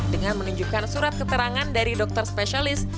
dengan menunjukkan surat keterangan dari dokter spesialis